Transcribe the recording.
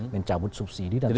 mencabut subsidi dan sebagainya